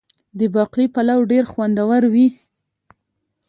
د باقلي پلو ډیر خوندور وي.